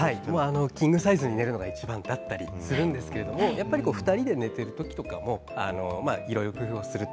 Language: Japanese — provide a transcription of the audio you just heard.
キングサイズに寝るのがいちばんだったりするんですけれども、２人で寝ている時にもいろいろ工夫をすると